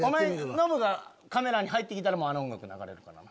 ノブがカメラに入って来たらあの音楽流れるからな。